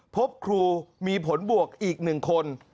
พบครูมีผลบวกอีก๑คน